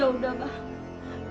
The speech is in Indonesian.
ya sudah mbak